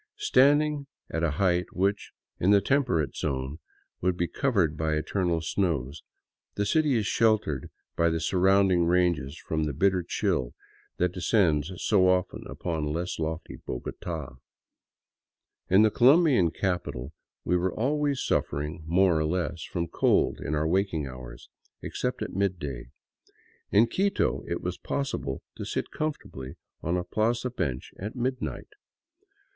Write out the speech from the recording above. Standing at a height which, in the temperate zone, would be covered by eternal snows, the city is sheltered by the surrounding ranges from the bitter chill that descends so often upon less lofty Bogota. In the Colombian capital we were always suffering more or less from cold in our waking hours, except at midday; in Quito it was possible to sit comfortably on a plaza bench at midnight.